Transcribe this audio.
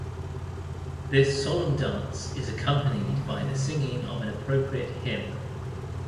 This solemn dance is accompanied by the singing of an appropriate hymn.